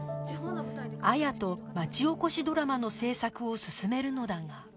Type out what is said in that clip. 彩と町おこしドラマの制作を進めるのだが